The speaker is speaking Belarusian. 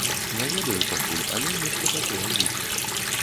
Не ведаю пакуль, але нешта такое будзе.